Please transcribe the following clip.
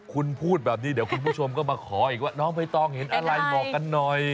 คุณพูดแบบนี้เดี๋ยวคุณผู้ชมก็มาขออีกว่าน้องใบตองเห็นอะไรบอกกันหน่อย